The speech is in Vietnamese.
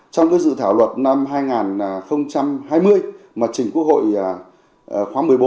trong cái sự thảo luận năm hai nghìn hai mươi mà chỉnh quốc hội khóa một mươi bốn